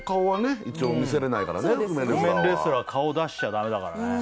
覆面レスラー顔出しちゃダメだからね。